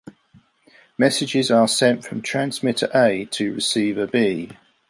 Messages are sent from transmitter A to receiver B.